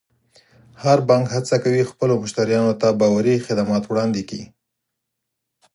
هر بانک هڅه کوي خپلو مشتریانو ته باوري خدمات وړاندې کړي.